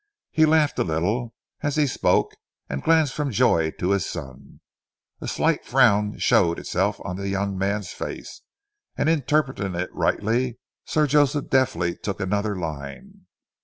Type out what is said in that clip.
He laughed a little as he spoke, and glanced from Joy to his son. A slight frown showed itself on the young man's face, and interpreting it rightly, Sir Joseph deftly took another line.